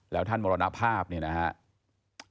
แล้วท่านมรณภาพเนี่ยนะครับ